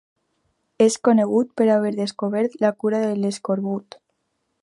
És conegut per haver descobert la cura de l'escorbut.